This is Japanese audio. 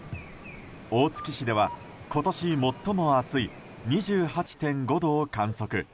大月市では今年最も暑い２８．５度を観測。